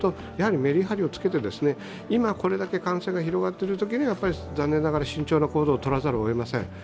メリハリをつけて、今これだけ感染が広がっているときには残念ながら慎重な行動をとらざるをえません。